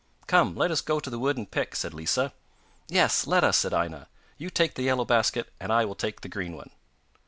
'Come, let us go to the wood and pick,' said Lisa. 'Yes, let us,' said Aina. 'You take the yellow basket and I will take the green one.